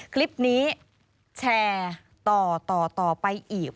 คลิปนี้แชร์ต่อต่อไปอีก